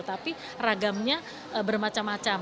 tapi ragamnya bermacam macam